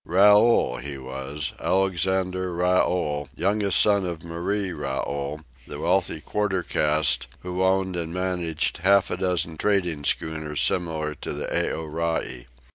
Raoul he was, Alexandre Raoul, youngest son of Marie Raoul, the wealthy quarter caste, who owned and managed half a dozen trading schooners similar to the Aorai.